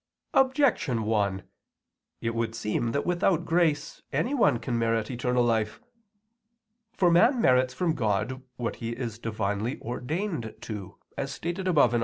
Objection 1: It would seem that without grace anyone can merit eternal life. For man merits from God what he is divinely ordained to, as stated above (A. 1).